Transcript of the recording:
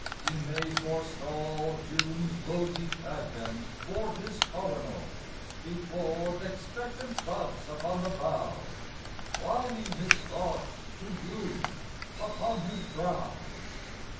He may forestall June's rosy advent for his coronal; Before th' expectant buds upon the bough, Twining his thoughts to bloom upon his brow.